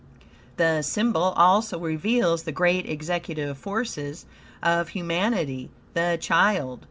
The symbol also reveals the great executive forces of humanity, the child.